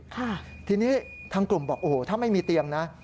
ทีนี้ทางกลุ่มบอกถ้าไม่มีเตียงนะ